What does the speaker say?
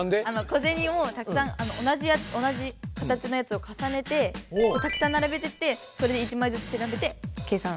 小銭をたくさん同じ形のやつをかさねてたくさんならべてってそれで１枚ずつしらべて計算。